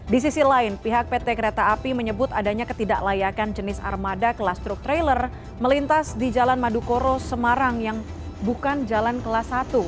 di sisi lain pihak pt kereta api menyebut adanya ketidaklayakan jenis armada kelas truk trailer melintas di jalan madukoro semarang yang bukan jalan kelas satu